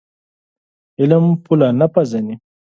علم پوله نه پېژني.